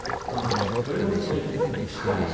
乗り心地もいいです。